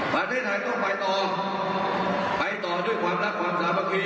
ประเทศไทยต้องไปต่อไปต่อด้วยความรักความสามัคคี